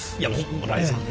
村井さんね